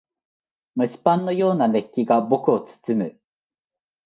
蒸しパンのような熱気が僕を包む。